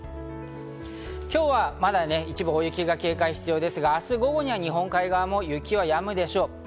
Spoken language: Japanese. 今日はまだ一部大雪に警戒が必要ですが、明日午後には日本海側も雪はやむでしょう。